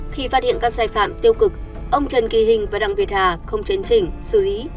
khi phát hiện các sai phạm tiêu cực ông trần kỳ hình và đặng việt hà không chấn chỉnh xử lý